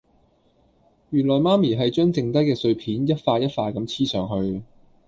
原來媽咪係將剩低嘅碎片一塊一塊咁黐上去